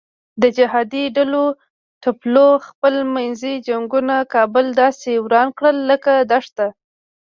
د جهادي ډلو ټپلو خپل منځي جنګونو کابل داسې وران کړ لکه دښته.